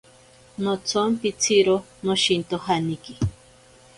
Notsompitziro noshintojaniki.